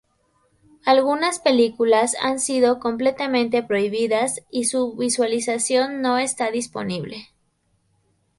Algunas películas han sido completamente prohibidas y su visualización no está disponible.